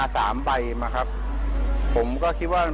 ส่งไฟดูมันก็มีลายน้ำ